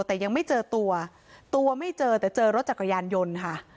แต่ยังไม่เจอตัวตัวไม่เจอแต่เจอรถจักรยานยนต์ค่ะ